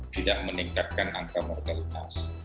tidak meningkatkan angka mortalitas